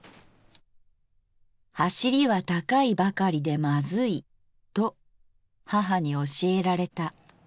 「『はしり』は高いばかりでまずいと母に教えられた。